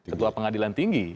ketua pengadilan tinggi